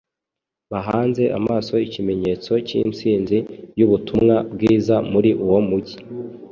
bahanze amaso ikimenyetso cy’insinzi y’ubutumwa bwiza muri uwo mujy